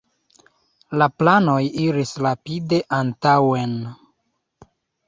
La planoj iris rapide antaŭen.